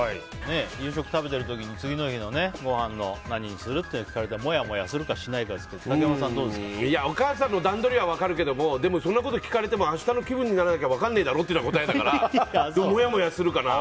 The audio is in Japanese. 夕食食べてる時に次の日のごはん何にするか聞かれてもやもやするかしないかですがお母さんの段取りは分かるけどそんなこと聞かれても明日の気分にならなきゃ分からないだろというのが答えだからもやもやするかな。